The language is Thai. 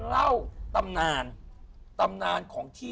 ล๊อคากับไม่คิด